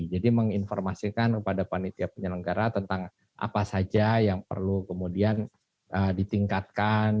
jadi menginformasikan kepada panitia penyelenggara tentang apa saja yang perlu kemudian ditingkatkan